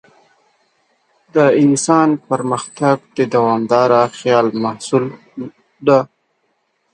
د انسان پرمختګ د دوامداره خیال محصول دی.